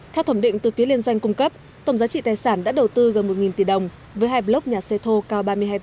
theo thẩm định từ phía liên doanh cung cấp tổng giá trị tài sản đã đầu tư gần một tỷ đồng với hai block nhà xe thô cao ba mươi hai tầng